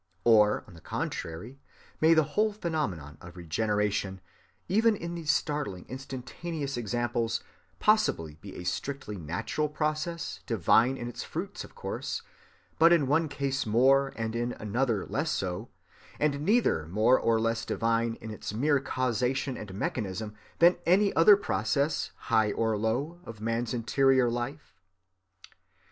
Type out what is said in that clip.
Or, on the contrary, may the whole phenomenon of regeneration, even in these startling instantaneous examples, possibly be a strictly natural process, divine in its fruits, of course, but in one case more and in another less so, and neither more nor less divine in its mere causation and mechanism than any other process, high or low, of man's interior life?